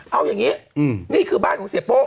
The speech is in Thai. เอาอย่างนี้นี่คือบ้านของเสียโป้